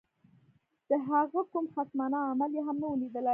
د هغه کوم خصمانه عمل یې هم نه وو لیدلی.